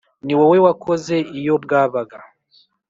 ni we wakoze iyo bwabaga